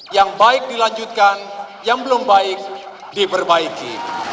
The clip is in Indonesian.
yang baik dilanjutkan yang belum baik diperbaiki